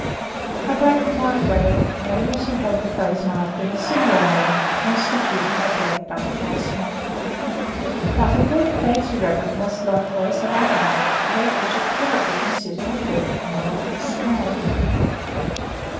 A black and white rabbit may also have the face marked in a similar manner, constituting a 'black butterfly smut.' "But A good fancy rabbit must likewise have other marks, without which it cannot be considered a perfect model of its kind.